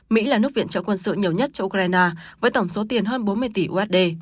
mỹ là nước viện trợ quân sự nhiều nhất cho ukraine với tổng số tiền hơn bốn mươi tỷ usd